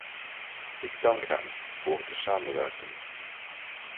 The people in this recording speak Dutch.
Ik dank hem voor de samenwerking.